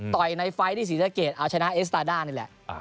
ในไฟล์ที่ศรีสะเกดเอาชนะเอสตาด้านี่แหละ